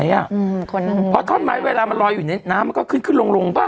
เพราะท่อนไม้เวลามันลอยอยู่ในน้ำมันก็ขึ้นขึ้นลงลงป่ะ